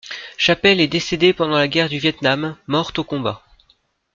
Chapelle est décédée pendant la guerre du Viêt Nam, morte au combat.